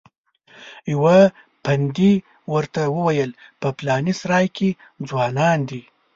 یوه پندي ورته وویل په پلانې سرای کې ځوانان دي.